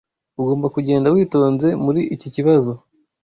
Ugomba kugenda witonze muri iki kibazo.